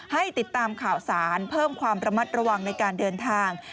ให้ติดตามข่าวสารเพิ่มความระมัดระวังในการเดินทาง